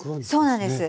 そうなんです。